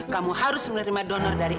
kamu harus menerima donor dari edo